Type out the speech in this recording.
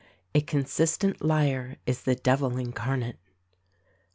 "A consistent liar is the Devil incarnate."